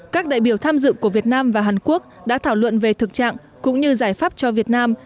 các đại biểu tham dự của việt nam và hàn quốc đã thảo luận về thực trạng cũng như giải pháp cho việt nam